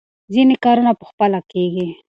ځینې کارونه په خپله کېږي.